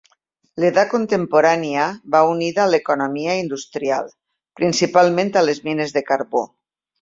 L'Edat Contemporània va unida a l'economia industrial, principalment a les mines de carbó.